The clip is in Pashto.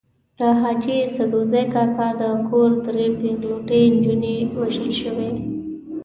د حاجي سدوزي کاکا د کور درې پېغلوټې نجونې وژل شوې.